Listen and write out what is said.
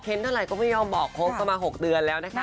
เค้นเท่าไหร่ก็ไม่ยอมบอกครบประมาณ๖เดือนแล้วนะคะ